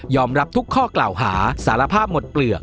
รับทุกข้อกล่าวหาสารภาพหมดเปลือก